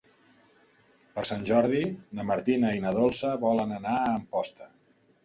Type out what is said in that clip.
Per Sant Jordi na Martina i na Dolça volen anar a Amposta.